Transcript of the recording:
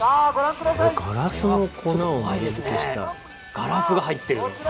ガラスが入ってる。